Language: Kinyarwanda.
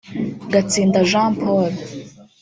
Gatsinda Jean Paul